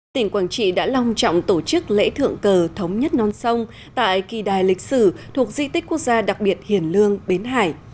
tỉnh quảng trị đã long trọng tổ chức lễ thượng cờ thống nhất non sông tại kỳ đài lịch sử thuộc di tích quốc gia đặc biệt hiền lương bến hải